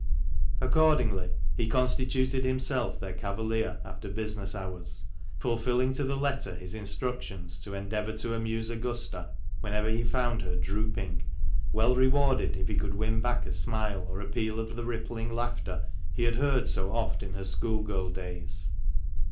Accordingly, he constituted himself their cavalier after business hours, fulfilling to the letter his instructions to endeavour to amuse Augusta whenever he found her drooping, well rewarded if he could win back a smile or a peal of the rippling laughter he had heard so oft in her school girl days.